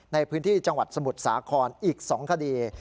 ในพื้นที่จังหวัดสมุทรสาครอีก๒คดี